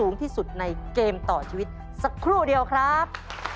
สูงที่สุดในเกมต่อชีวิตสักครู่เดียวครับ